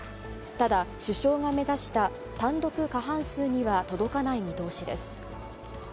ただ、首相が目指した単独過半数には届かない見通しです。